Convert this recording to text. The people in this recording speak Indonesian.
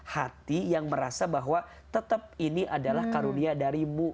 hati yang merasa bahwa tetap ini adalah karunia darimu